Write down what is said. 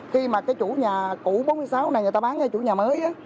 khi mà cái chủ nhà cũ bốn mươi sáu này người ta bán cái chủ nhà mới á